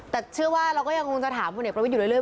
แต่เชื่อว่าเราก็ยังคงจะถามพลเอกประวิทย์อยู่เรื่อ